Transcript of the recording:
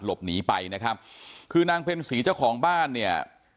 หลบหนีไปนะครับคือนางเพ็ญศรีเจ้าของบ้านเนี่ย